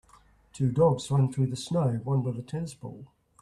Two dogs run through the snow, one with a tennis ball.